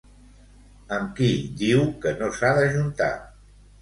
Amb qui diu que no s'ha d'ajuntar?